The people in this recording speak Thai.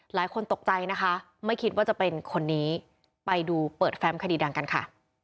หลายคนตกใจนะคะไม่คิดว่าจะเป็นคนนี้ไปดูเปิดแฟมคดีดังกันค่ะ